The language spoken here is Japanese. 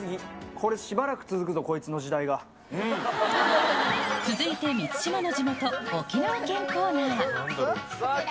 これ、しばらく続くぞ、こいつの続いて、満島の地元、沖縄県さあ、来ました。